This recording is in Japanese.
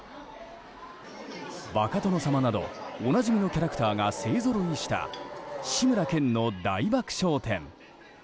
バカ殿様などおなじみのキャラクターが勢ぞろいした志村けんの大爆笑展。